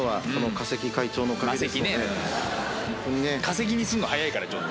化石にすんの早いからちょっと。